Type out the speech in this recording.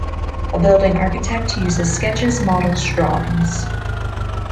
A building architect uses sketches, models, drawings.